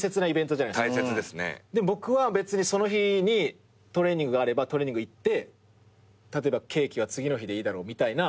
でも僕は別にその日にトレーニングがあればトレーニング行って例えばケーキは次の日でいいだろうみたいな。